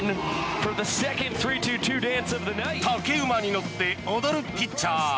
竹馬に乗って踊るピッチャー。